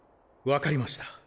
わかりました。